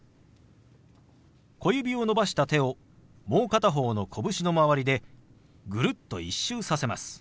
小指を伸ばした手をもう片方の拳の周りでぐるっと１周させます。